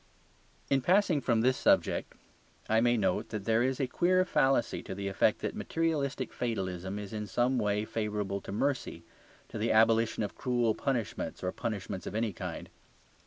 In passing from this subject I may note that there is a queer fallacy to the effect that materialistic fatalism is in some way favourable to mercy, to the abolition of cruel punishments or punishments of any kind.